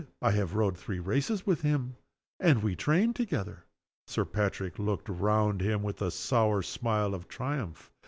I have rowed three races with him, and we trained together." Sir Patrick looked round him with a sour smile of triumph.